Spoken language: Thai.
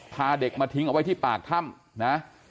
พาเด็กมาทิ้งเอาไว้ที่ปากถ้ำนะ